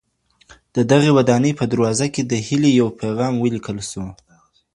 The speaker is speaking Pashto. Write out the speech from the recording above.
د دغي ودانۍ په دروازه کي د هیلې یو پیغام ولیکل سو.